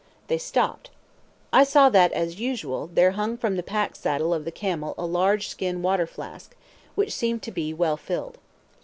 They stopped. I saw that, as usual, there hung from the pack saddle of the camel a large skin water flask, which seemed to be well filled.